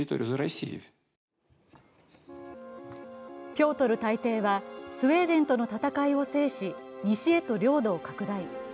ピョートル大帝はスウェーデンとの戦いを制し西へと領土を拡大。